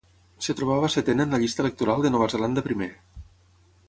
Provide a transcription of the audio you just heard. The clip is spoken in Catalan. Es trobava setena en la llista electoral de Nova Zelanda Primer.